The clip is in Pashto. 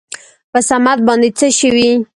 په صمد باندې څه شوي ؟